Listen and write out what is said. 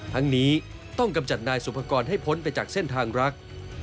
ทั้งนี้ต้องกำจัดนายสุภกรให้พ้นไปจากเส้นทางรัก